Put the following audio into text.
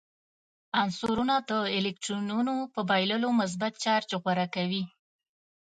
عنصرونه د الکترونونو په بایللو مثبت چارج غوره کوي.